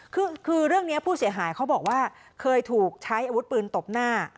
คือเรื่องนี้ผู้เสียหายเขาบอกว่าเคยถูกใช้อาวุธปืนตบหน้า